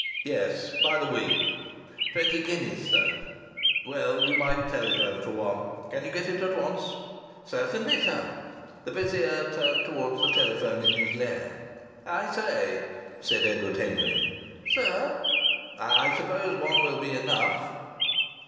"Yes, by the week." "Twenty guineas, sir." "Well, you might telephone for one. Can you get it at once?" "Certainly, sir." The vizier turned towards the telephone in his lair. "I say " said Edward Henry. "Sir?" "I suppose one will be enough?"